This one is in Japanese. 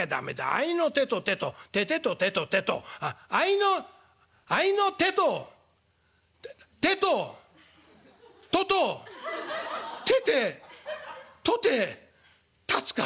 『あいの手と手と手々と手と手と』」。「あいのあいの手と手とととててとてたつか。